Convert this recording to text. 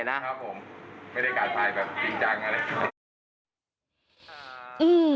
ไม่ได้การใส่แบบจริงจังอะไร